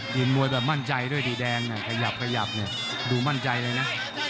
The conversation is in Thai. ยืนมวยแบบมั่นใจด้วยที่แดงเนี่ยขยับดูมั่นใจเลยนะ